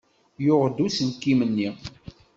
Yuɣ-d uselkim-nni.